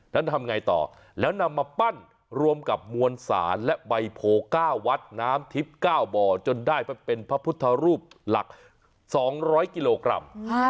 ทำไงต่อแล้วนำมาปั้นรวมกับมวลสารและใบโพ๙วัดน้ำทิพย์๙บ่อจนได้เป็นพระพุทธรูปหลัก๒๐๐กิโลกรัม